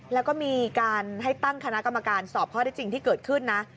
แล้วก็มีการให้ตั้งคณะกรรมการสอบข้อได้จริงที่เกิดขึ้นนะ